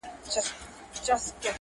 • د زړه په كور كي دي بل كور جوړكړی.